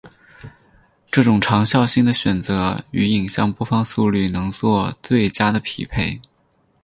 这种长效性的选择与影像播放速率能做最佳的匹配。